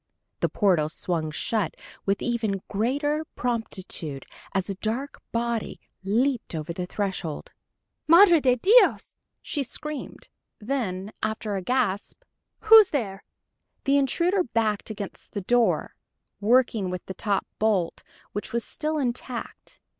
The portal swung shut with even greater promptitude, as a dark body leaped over the threshold. "Madre de Dios!" she screamed. Then, after a gasp, "Who's there!" The intruder backed against the door, working with the top bolt, which was still intact.